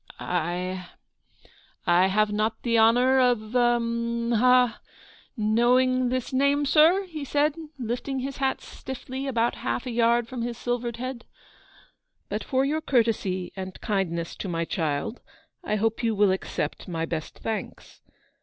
" I have not the honour of — a — haw — knowing this name sir," he said, lifting his hat stiffly about half a yard from his silvered head ;" but for your courtesy and kindness to my child, I hope you will accept my best thanks.